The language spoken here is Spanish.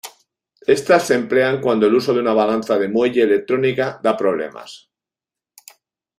Estas se emplean cuando el uso de una balanza de muelle electrónica da problemas.